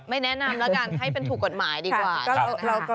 แนะนำแล้วกันให้เป็นถูกกฎหมายดีกว่านะครับ